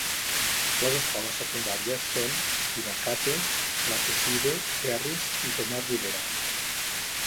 Les escoles secundàries són Pinacate, Lakeside, Perris i Tomas Rivera.